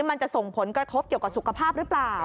มันจะส่งผลกระทบเกี่ยวกับสุขภาพหรือเปล่า